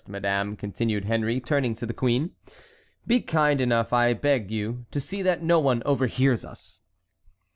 Madame," continued Henry, turning to the queen, "be kind enough, I beg you, to see that no one overhears us."